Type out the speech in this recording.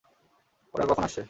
ওরা কখন আসছে?